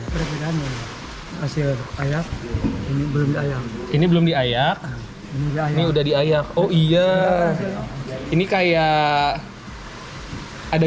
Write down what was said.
berbeda bedanya hasil ayak ini belum diayak ini belum diayak ini udah diayak oh iya ini kayak ada